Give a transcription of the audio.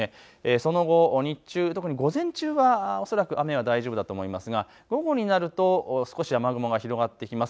その後、日中、特に午前中は恐らく雨は大丈夫だと思いますが午後になると少し雨雲が広がってきます。